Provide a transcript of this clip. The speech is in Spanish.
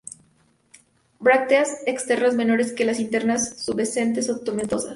Brácteas externas menores que las internas, pubescentes o tomentosas.